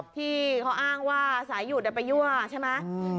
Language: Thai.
ที่เขาอ้างว่าสายหยุดไปยั่วใช่ไหม